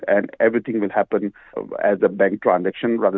dan semuanya akan terjadi sebagai transaksi bank